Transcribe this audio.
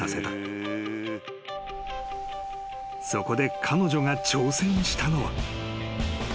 ［そこで彼女が挑戦したのは］